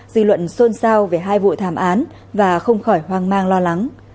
dư luận xôn xao về hai vụ thảm án và không khỏi hoang mang lo lắng